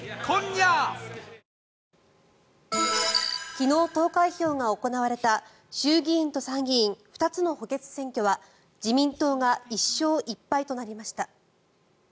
昨日、投開票が行われた衆議院と参議院２つの補欠選挙は自民党が１勝１敗となりました。